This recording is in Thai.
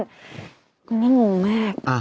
คุณแม่งงมาก